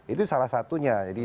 itu salah satunya